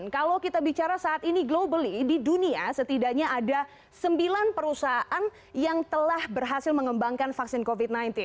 kalau kita bicara saat ini globally di dunia setidaknya ada sembilan perusahaan yang telah berhasil mengembangkan vaksin covid sembilan belas